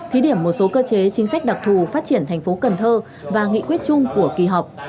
thí điểm một số cơ chế chính sách đặc thù phát triển thành phố cần thơ và nghị quyết chung của kỳ họp